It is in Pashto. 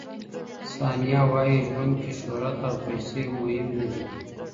ثانیه وايي، ژوند کې شهرت او پیسې مهم نه دي.